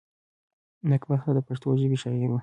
نېکبخته دپښتو ژبي شاعره وه.